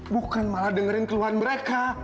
bukan malah dengerin keluhan mereka